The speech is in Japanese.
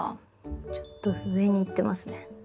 ちょっと上にいってますね。